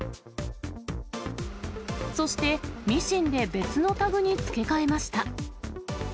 そして、ミシンで別のタグに付け替えました。